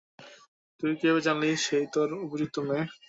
তুই কিভাবে জানলি সেই তোর উপযুক্ত মেয়ে?